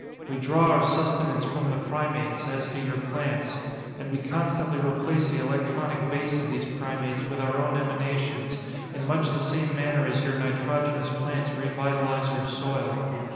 "We draw our sustenance from the primates, as do your plants, and we constantly replace the electronic base of these primates with our own emanations, in much the same manner as your nitrogenous plants revitalize your soil.